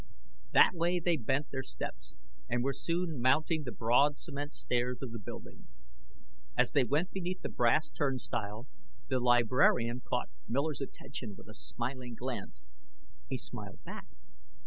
That way they bent their steps, and were soon mounting the broad cement stairs of the building. As they went beneath the brass turnstile, the librarian caught Miller's attention with a smiling glance. He smiled back.